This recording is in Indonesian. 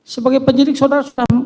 sebagai penyidik saudara sudah